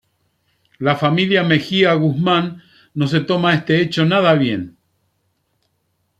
La familia Mejía Guzmán no se toma este hecho nada bien.